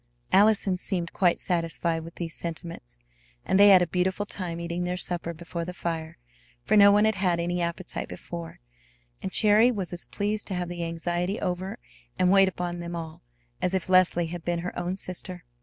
Allison seemed quite satisfied with these sentiments, and they had a beautiful time eating their supper before the fire, for no one had had any appetite before; and Cherry was as pleased to have the anxiety over and wait upon them all as if Leslie had been her own sister.